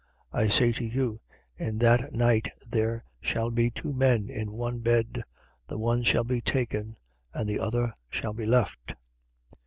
17:34. I say to you: In that night there shall be two men in one bed. The one shall be taken and the other shall be left.